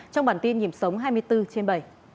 trong bản tin nhịp sống hai mươi bốn trên bảy